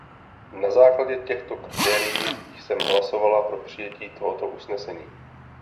Na základě těchto kritérií jsem hlasovala pro přijetí tohoto usnesení.